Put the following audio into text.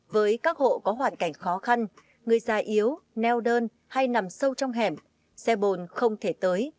với các hộ có hoàn cảnh khó khăn người già yếu neo đơn hay nằm sâu trong hẻm xe bồn không thể tới